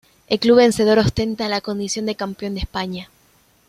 El club vencedor ostenta la condición de "Campeón de España".